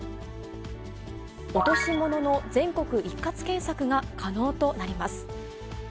落とし物の全国一括検索が可能となります。